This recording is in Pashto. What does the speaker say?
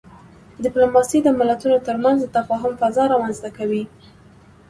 ډيپلوماسي د ملتونو ترمنځ د تفاهم فضا رامنځته کوي.